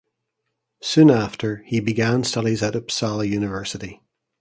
Soon after he began studies at Uppsala University.